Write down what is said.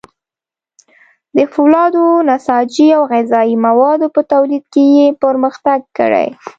د فولادو، نساجي او غذايي موادو په تولید کې یې پرمختګ کړی.